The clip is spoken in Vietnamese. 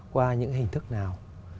qua những hình thức nào